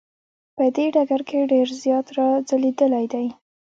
په دې ډګر کې ډیر زیات را ځلیدلی دی.